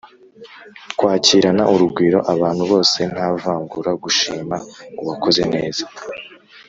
kwakirana urugwiro abantu bose nta vangura, gushima uwakoze neza